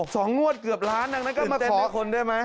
สองงวดเกือบล้านนั้นก็มาขอคนได้ไหม